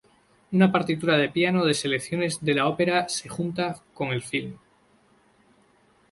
Una partitura de piano de selecciones de la ópera se junto con el film.